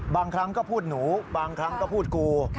บางครั้งก็พูดหนูบางครั้งก็พูดกู